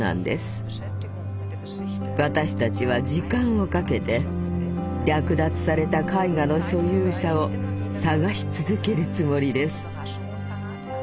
私たちは時間をかけて略奪された絵画の所有者を捜し続けるつもりです。